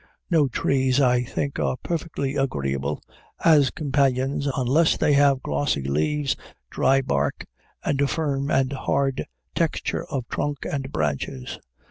No trees, I think, are perfectly agreeable as companions unless they have glossy leaves, dry bark, and a firm and hard texture of trunk and branches.